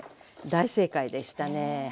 大正解でしたねはい。